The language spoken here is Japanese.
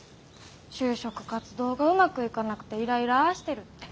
就職活動がうまくいかなくていらいらーしてるって。